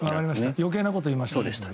余計なこと言いました。